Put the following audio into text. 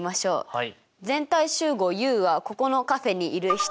はい。